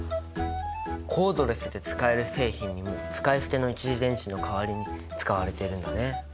コードレスで使える製品にも使い捨ての一次電池の代わりに使われているんだね。